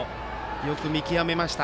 よく見極めました。